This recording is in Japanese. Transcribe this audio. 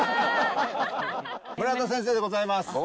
村田先生でございます。